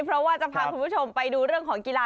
เพราะว่าจะพาคุณผู้ชมไปดูเรื่องของกีฬา